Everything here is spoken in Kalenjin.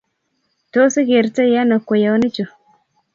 Tos igertei ano kweyonichu?